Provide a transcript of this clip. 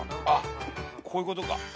あっこういうことか。